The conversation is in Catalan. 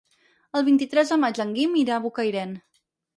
El vint-i-tres de maig en Guim irà a Bocairent.